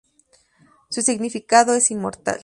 Su significado es "inmortal".